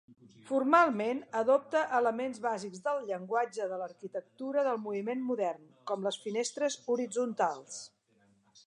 Formalment adopta elements bàsics del llenguatge de l'arquitectura del moviment modern, com les finestres horitzontals.